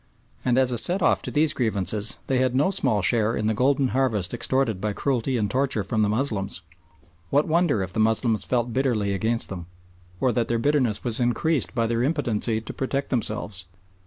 And as a set off to these grievances they had no small share in the golden harvest extorted by cruelty and torture from the Moslems. What wonder if the Moslems felt bitterly against them, or that their bitterness was increased by their impotency to protect themselves.